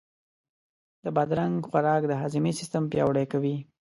د بادرنګ خوراک د هاضمې سیستم پیاوړی کوي.